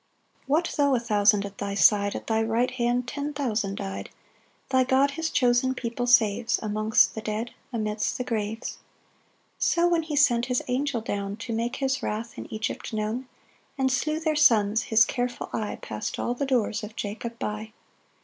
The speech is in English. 7 What though a thousand at thy side, At thy right hand ten thousand dy'd, Thy God his chosen people saves Amongst the dead, amidst the graves. 8 So when he sent his angel down To make his wrath in Egypt known, And slew their sons, his careful eye Pass'd all the doors of Jacob by.